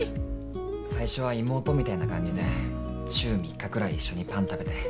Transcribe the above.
最初は妹みたいな感じで週３日くらい一緒にパン食べて。